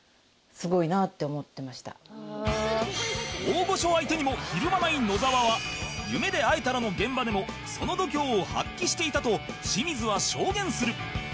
大御所相手にもひるまない野沢は『夢で逢えたら』の現場でもその度胸を発揮していたと清水は証言する